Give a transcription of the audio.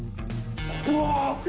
うわ！